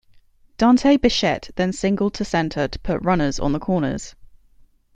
Dante Bichette then singled to center to put runners on the corners.